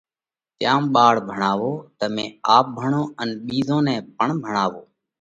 تيام ٻاۯ ڀڻاوو۔ تمي آپ ڀڻو ان ٻِيزون نئہ پڻ ڀڻاوو۔